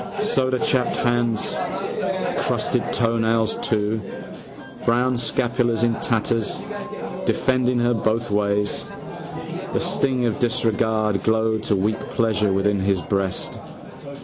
Sodachapped hands. Crusted toenails too. Brown scapulars in tatters, defending her both ways. The sting of disregard glowed to weak pleasure within his breast.